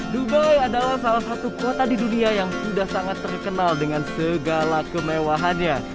dubai adalah salah satu kota di dunia yang sudah sangat terkenal dengan segala kemewahannya